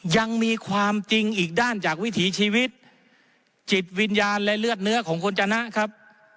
ยังมีความจริงอีกด้านจากวิถีชีวิตจิตวิญญาณและเลือดเนื้อของคนจนะครับ